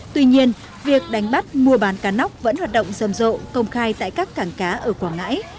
tuy nhiên việc đánh bắt mua bán cá nóc vẫn hoạt động rầm rộ công khai tại các cảng cá ở quảng ngãi